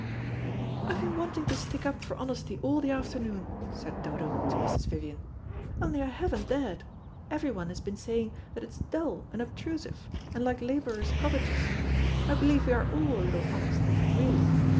"I've been wanting to stick up for honesty all the afternoon," said Dodo to Mrs. Vivian, "only I haven't dared. Everyone has been saying that it is dull and obtrusive, and like labourers' cottages. I believe we are all a little honest, really.